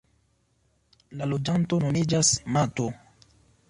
La loĝanto nomiĝas "mato".